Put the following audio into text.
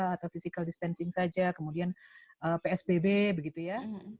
atau physical distancing saja kemudian psbb begitu ya